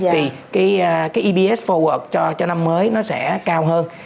thì cái ebs forward cho năm mới nó sẽ cao hơn